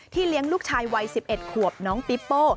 เลี้ยงลูกชายวัย๑๑ขวบน้องปิ๊ปโป้